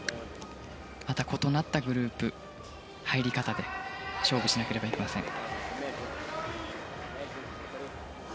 また異なったグループ入り方で勝負しなければいけません。